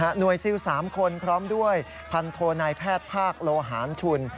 หน่วยซิล๓คนพร้อมด้วยพันโทนายแพทย์ภาคโลหารชุน